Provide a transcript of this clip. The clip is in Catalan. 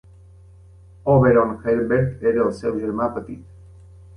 Auberon Herbert era el seu germà petit.